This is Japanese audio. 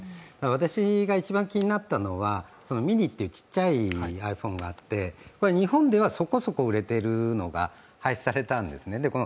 私が一番気になったのは、ｍｉｎｉというちっちゃいｉＰｈｏｎｅがあって、これは日本ではそこそこ売れているのが廃止されたんですね。